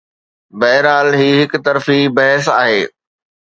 بهرحال، هي هڪ طرفي بحث آهي.